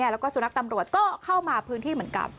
แล้วก็สุนัขตำรวจก็เข้ามาพื้นที่เหมือนกัน